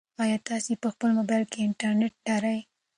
ایا تاسي په خپل موبایل کې انټرنيټ لرئ؟